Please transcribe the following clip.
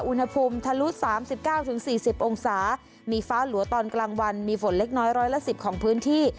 อุณหภูมิทะลุ๓๙๔๐องศามีฟ้าหลัวตอนกลางวันมีฝนเล็กน้อยร้อยละ๑๐ของพื้นที่